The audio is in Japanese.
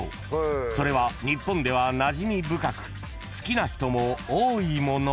［それは日本ではなじみ深く好きな人も多いもの］